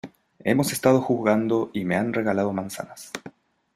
hemos estado jugando y me han regalado manzanas,